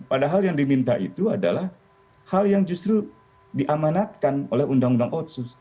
padahal yang diminta itu adalah hal yang justru diamanatkan oleh undang undang otsus